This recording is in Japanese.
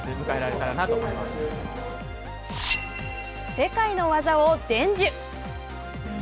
世界の技を伝授。